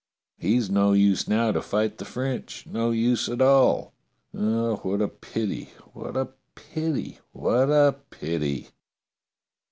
He's no use now to fight the French, no use at all. Oh, what a pity, w^hat a pity, what a pity